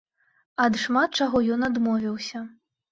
Ад шмат чаго ён адмовіўся.